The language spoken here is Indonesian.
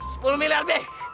sepuluh miliar be